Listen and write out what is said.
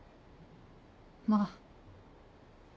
まあ。